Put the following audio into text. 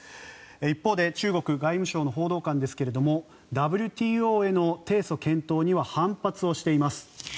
一方で中国外務省の報道官ですがＷＴＯへの提訴検討には反発をしています。